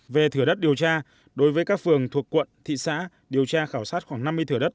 về thửa đất điều tra đối với các phường thuộc quận thị xã điều tra khảo sát khoảng năm mươi thửa đất